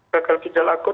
gagal ginjal akut